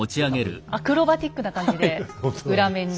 アクロバチックな感じで裏面に。